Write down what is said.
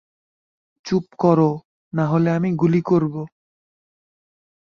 চুপ করো, নাহলে আমি গুলি করবো।